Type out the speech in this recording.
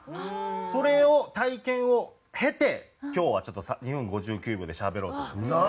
それを体験を経て今日はちょっと２分５９秒でしゃべろうと思います。